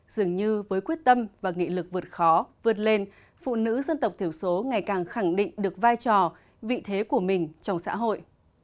dường như với quyết tâm và nghị lực vượt khó vượt lên phụ nữ dân tộc thiểu số ngày càng khẳng định được vai trò vị thế của mình trong xã hội